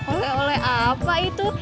oleh oleh apa itu